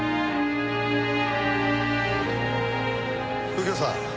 右京さん。